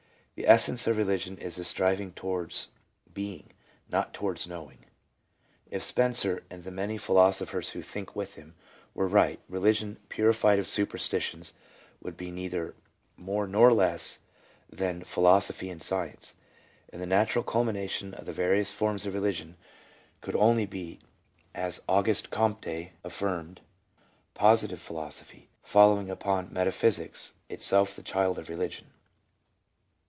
The essence of religion is a striving towards being, not towards knowing. If Spencer, and the many philoso phers who think with him, were right, religion, purified of superstitions, would be neither more nor less than philosophy and science, and the natural culmination of the various forms of religion could only be, as AugusteComte affirmed, Positive Philosophy, following upon Metaphysics, itself the child of Religion.